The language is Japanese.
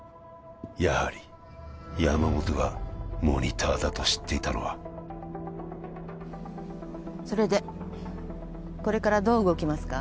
やはり山本がモニターだと知っていたのはそれでこれからどう動きますか？